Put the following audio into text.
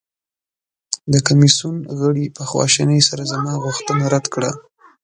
د کمیسیون غړي په خواشینۍ سره زما غوښتنه رد کړه.